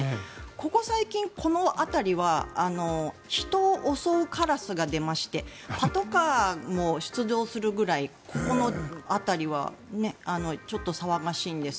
ここ最近、この辺りは人を襲うカラスが出ましてパトカーも出動するくらいこの辺りはちょっと騒がしいんです。